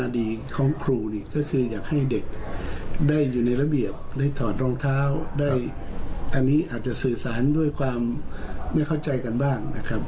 ได้อยู่ในระเบียบได้ถอดรองเท้าอันนี้อาจจะสื่อสารด้วยความไม่เข้าใจกันบ้างนะครับ